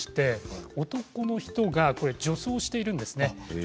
男の人が女装しているんですね。